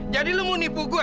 jadi lu mau nipu gue